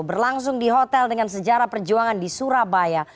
berlangsung di hotel dengan sejarah perjuangan di surabaya